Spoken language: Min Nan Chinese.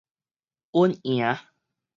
穩贏